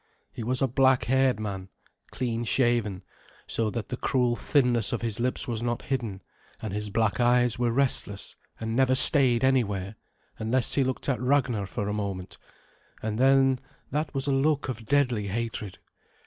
He was a black haired man, clean shaven, so that the cruel thinness of his lips was not hidden, and his black eyes were restless, and never stayed anywhere, unless he looked at Ragnar for a moment, and then that was a look of deadly hatred.